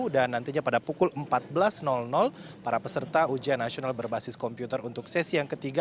dan nantinya pada pukul empat belas para peserta ujian nasional berbasis komputer untuk sesi yang ketiga